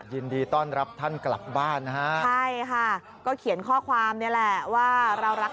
ยินดีต้อนรับท่านกลับบ้านนะครับ